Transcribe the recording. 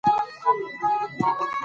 سهارنۍ د وزن ساتلو کې مرسته کوي.